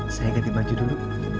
saya ganti baju dulu